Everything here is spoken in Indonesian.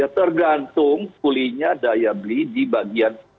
tergantung pulihnya daya beli di bagian